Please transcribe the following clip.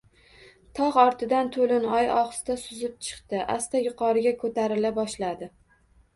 Togʼ ortidan toʼlin oy ohista suzib chiqib, asta yuqoriga koʼtarila boshladi.